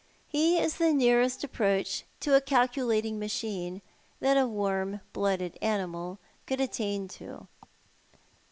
He is the nearest approach to a calculating machine that a warm blooded animal could attain to.